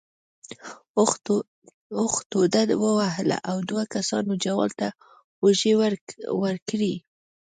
اوښ ټوډه ووهله او دوو کسانو جوال ته اوږې ورکړې.